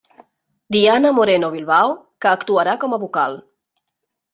Diana Moreno Bilbao, que actuarà com a vocal.